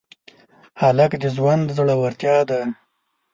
هلک د ژوند زړورتیا ده.